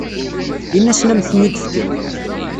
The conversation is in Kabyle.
Ini-asen ad am-ten-id-fken.